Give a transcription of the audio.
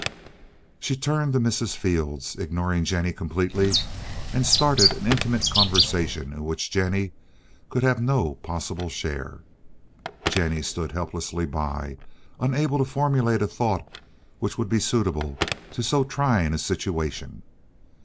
She turned to Mrs. Field, ignoring Jennie completely, and started an intimate conversation in which Jennie could have no possible share. Jennie stood helplessly by, unable to formulate a thought which would be suitable to so trying a situation.